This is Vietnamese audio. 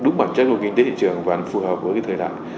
đúng bản chất của kinh tế thị trường và phù hợp với cái thời đại